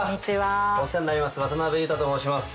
お世話になります渡辺裕太と申します。